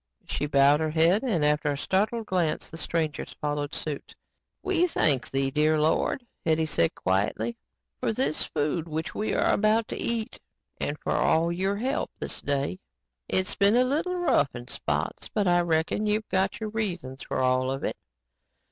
She bowed her head and, after a startled glance, the strangers followed suit. "We thank Thee, dear Lord," Hetty said quietly, "for this food which we are about to eat and for all Your help to us this day. It's been a little rough in spots but I reckon You've got Your reasons for all of it.